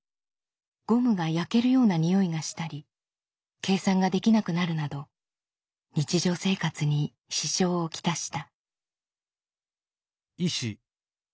ゴムが焼けるようなにおいがしたり計算ができなくなるなど日常生活に支障を来した。